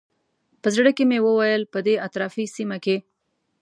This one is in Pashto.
په زړه کې مې وویل په دې اطرافي سیمه کې.